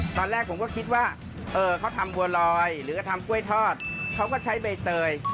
ตอนแรกผมก็คิดว่าเขาทำบัวลอยหรือก็ทำกล้วยทอดเขาก็ใช้ใบเตย